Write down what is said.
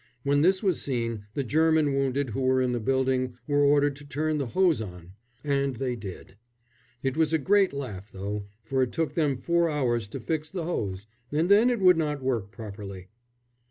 When this was seen, the German wounded who were in the building were ordered to turn the hose on, and they did. It was a great laugh, though, for it took them four hours to fix the hose and then it would not work properly.